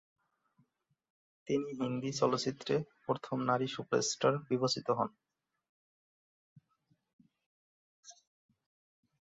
তিনি হিন্দি চলচ্চিত্রে প্রথম নারী সুপারস্টার বিবেচিত হন।